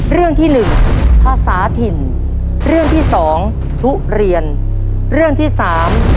เรื่องภาษาถิ่นครับ